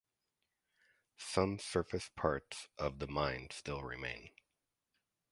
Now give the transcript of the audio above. Some surface parts of the mine still remain.